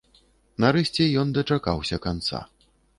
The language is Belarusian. Нарэшце ён дачакаўся канца.